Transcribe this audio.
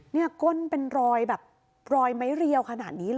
ก้นเป็นรอยแบบรอยไม้เรียวขนาดนี้เลย